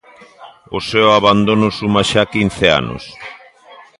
O seu abandono suma xa quince anos.